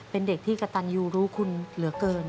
เป็นเด็กที่กระตันยูรู้คุณเหลือเกิน